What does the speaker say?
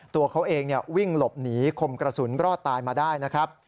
ตัวเขาเองวิ่งหลบหนีคมกระสุนรอดตายมาได้นะครับ